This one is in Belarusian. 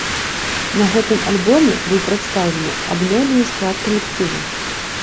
На гэтым альбоме быў прадстаўлены абноўлены склад калектыву.